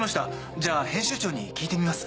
じゃあ編集長に聞いてみます。